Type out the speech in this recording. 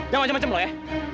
jangan macam macam ya